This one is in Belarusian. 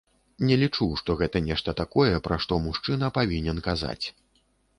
Не лічу, што гэта нешта такое, пра што мужчына павінен казаць.